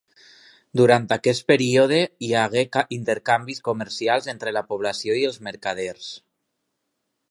Durant aquest període hi hagué intercanvis comercials entre la població i els mercaders.